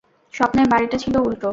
স্বপ্নের বাড়িটা ছিল উল্টো।